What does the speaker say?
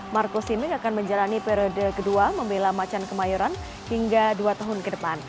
marco simic akan menjalani periode kedua membela macan kemayoran hingga dua tahun ke depan